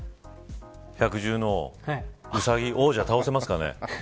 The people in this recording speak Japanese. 百獣の王うさぎ、王者倒せますかね。